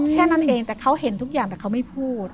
แค่นั้นเองแต่เขาเห็นทุกอย่างแต่เขาไม่พูด